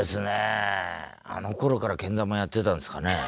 あのころからけん玉やってたんですかね。